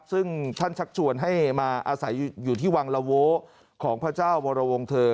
ซึ่งท่านชักชวนให้มาอาศัยอยู่ที่วังละโว้ของพระเจ้าวรวงเธอ